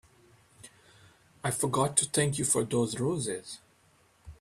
I forgot to thank you for those roses.